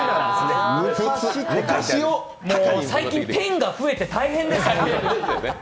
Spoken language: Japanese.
最近、ペンが増えて大変です。